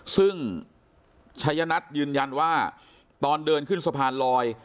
ซึ่งชัยนัทยืนยันว่าตอนเดินขึ้นสะพานลอย